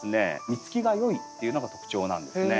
実つきが良いっていうのが特徴なんですね。